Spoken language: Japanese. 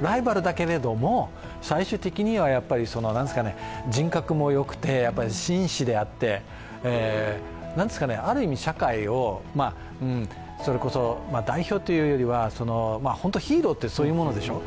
ライバルだけれども、最終的には人格もよくて、紳士であって、ある意味、社会を代表というよりもヒーローってそういうものでしょ。